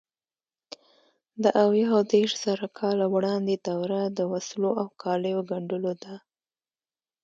د اویا او دېرشزره کاله وړاندې دوره د وسلو او کالیو ګنډلو ده.